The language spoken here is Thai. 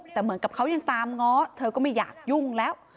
แต่เหมือนกับเขายังตามง้อเธอก็ไม่อยากยุ่งแล้ว